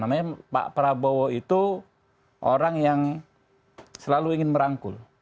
namanya pak prabowo itu orang yang selalu ingin merangkul